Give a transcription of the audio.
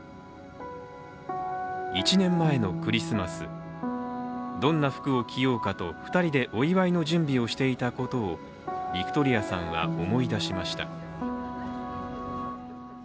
１年前のクリスマス、どんな服を着ようかと２人でお祝いの準備をしていたことをビクトリアさんは思い出しました。